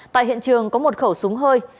tại hiện trường có một khẩu súng hơi